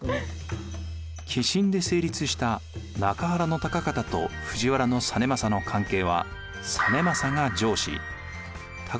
寄進で成立した中原高方と藤原実政の関係は実政が上司高方が下司になります。